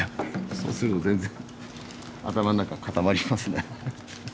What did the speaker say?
そうすると全然頭の中固まりますね。